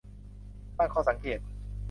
ตั้งข้อสังเกต